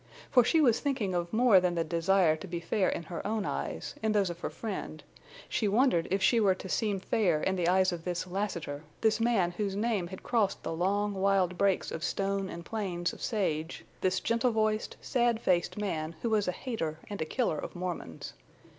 For she was thinking of more than the desire to be fair in her own eyes, in those of her friend; she wondered if she were to seem fair in the eyes of this Lassiter, this man whose name had crossed the long, wild brakes of stone and plains of sage, this gentle voiced, sad faced man who was a hater and a killer of Mormons.